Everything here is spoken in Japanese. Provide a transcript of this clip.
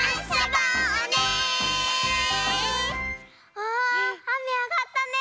あああめあがったね。